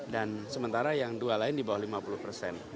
dan sementara yang dua lain di bawah lima puluh persen